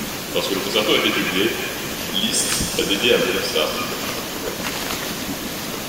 Lorsque le concerto a été publié, Liszt l'a dédié à Bronsart.